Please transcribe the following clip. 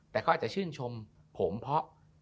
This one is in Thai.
แต่ก็อาจจะชื่นชมผมเพราะ